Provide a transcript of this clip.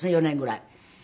４年ぐらい。